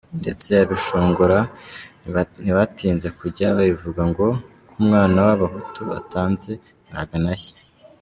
Ndetse abishongora ntibatinze kujya babivuga, ngo « Ko umwami w’abahutu atanze baragana he?».